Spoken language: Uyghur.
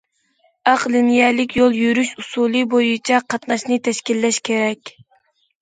تاق لىنىيەلىك يول يۈرۈش ئۇسۇلى بويىچە قاتناشنى تەشكىللەش كېرەك.